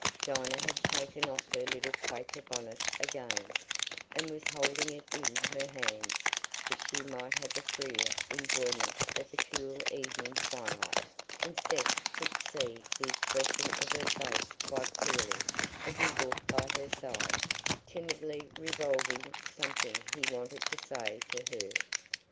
Dinah had taken off her little Quaker bonnet again, and was holding it in her hands that she might have a freer enjoyment of the cool evening twilight, and Seth could see the expression of her face quite clearly as he walked by her side, timidly revolving something he wanted to say to her.